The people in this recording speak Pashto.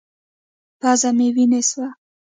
پزه مې وينې سوه.